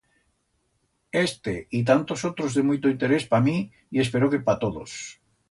Este y tantos otros de muito interés pa mi y espero que pa todos.